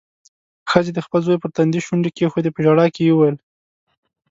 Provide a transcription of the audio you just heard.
ښځې د خپل زوی پر تندي شونډې کېښودې. په ژړا کې يې وويل: